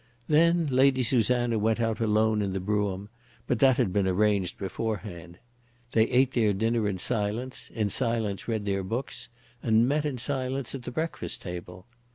Then Lady Susanna went out alone in the brougham; but that had been arranged beforehand. They ate their dinner in silence, in silence read their books, and met in silence at the breakfast table.